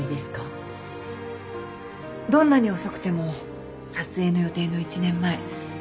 どんなに遅くても撮影の予定の１年前。